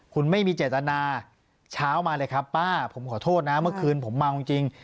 คุณไม่มีเจตนาเช้ามาเลยครับป้าผมขอโทษนะเมื่อคืนผมเมาจริง